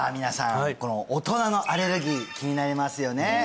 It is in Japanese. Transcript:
皆さんこの大人のアレルギー気になりますよね